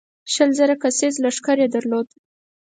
شل زره کسیز لښکر یې درلود.